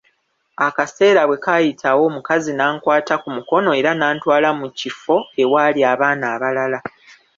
Akaseera bwe kaayitawo, omukazi n'ankwata ku mukono era n'antwala mu kifro ewaali abaana abalala.